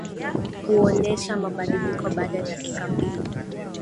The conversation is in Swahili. huonesha mabadiliko baada ya dakika mbili